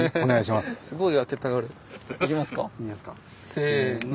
せの！